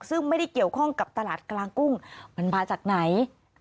ซึ่งไม่ได้เกี่ยวข้องกับตลาดกลางกุ้งมันมาจากไหน